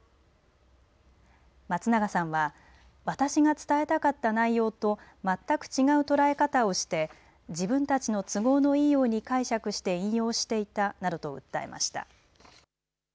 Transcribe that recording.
松永さんは私が伝えたかった内容と全く違う捉え方をして自分たちの都合のいいように解釈して引用していたなどと訴えました。